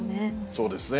そうですね。